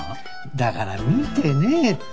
だから見てねえって。